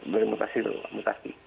bermutasi dulu mutasi